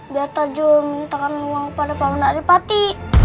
biar tarjo minta uang pada pak mbak dipati